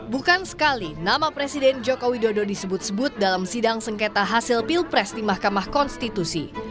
bukan sekali nama presiden joko widodo disebut sebut dalam sidang sengketa hasil pilpres di mahkamah konstitusi